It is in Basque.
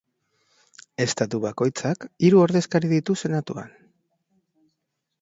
Estatu bakoitzak hiru ordezkari ditu senatuan.